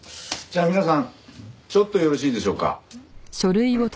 じゃあ皆さんちょっとよろしいでしょうか？